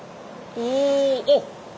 おおおっ！